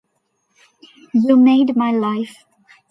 You made my life.